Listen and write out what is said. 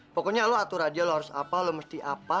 pokoknya lo atur aja lo harus apa lo mesti apa